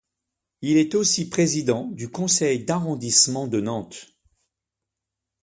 Il est aussi président du conseil d'arrondissement de Nantes.